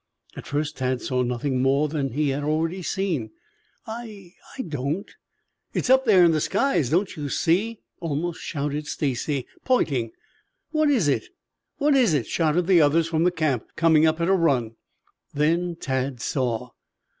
At first Tad saw nothing more than he had already seen. "I I don't " "It's up there in the skies. Don't you see?" almost shouted Stacy, pointing. "What is it? What is it?" shouted the others from the camp, coming up on a run. Then Tad saw.